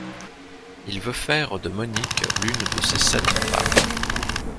Il veut faire de Monique l'une de ses sept femmes.